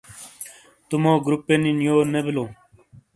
تو مو گروپی نی یو نی بیلو